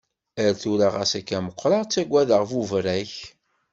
Ar tura xas akka meqqreɣ, ttaggadeɣ buberrak.